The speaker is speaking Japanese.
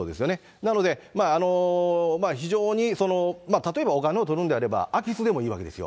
なので、非常に、例えばお金をとるのであれば、空き巣でもいいわけですよ。